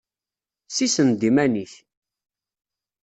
Sissen-d iman-ik!